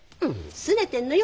すねてんのよ。